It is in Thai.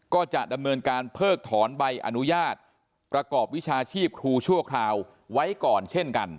ก็จะดำเนินการเพิกถอนใบอนุญาตประกอบวิชาชีพครูชั่วคราวไว้ก่อนเช่นกัน